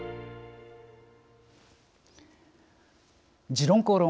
「時論公論」